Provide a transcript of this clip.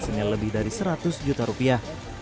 senilai lebih dari seratus juta rupiah